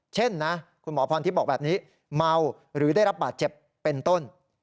เช่นนะคุณหมอพรทิพย์บอกแบบนี้เมาหรือได้รับบาดเจ็บเป็นต้น